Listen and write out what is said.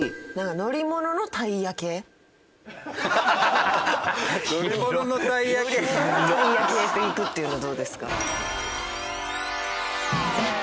乗り物のタイヤ系でいくっていうのどうですか？